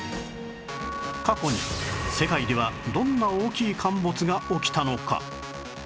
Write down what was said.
過去に世界ではどんな大きい陥没が起きたのか？